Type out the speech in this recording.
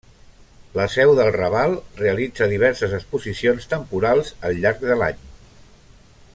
La seu del Raval, realitza diverses exposicions temporals al llarg de l'any.